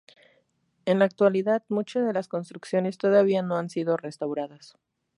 En la actualidad, muchas de las construcciones todavía no han sido restauradas.